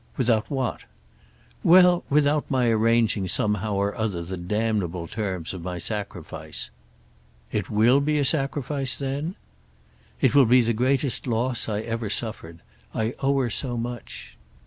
"Without what?" "Well, without my arranging somehow or other the damnable terms of my sacrifice." "It will be a sacrifice then?" "It will be the greatest loss I ever suffered. I owe her so much."